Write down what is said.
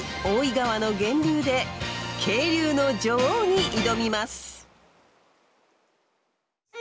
大井川の源流で「渓流の女王」に挑みます！